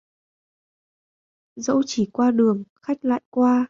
Dẫu chỉ qua đường, khách lại qua.